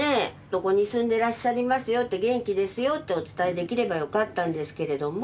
「どこに住んでらっしゃりますよ」って「元気ですよ」ってお伝えできればよかったんですけれども。